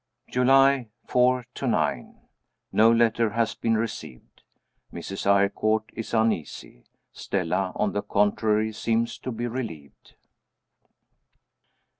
July 4 9. No letter has been received. Mrs. Eyrecourt is uneasy. Stella, on the contrary, seems to be relieved.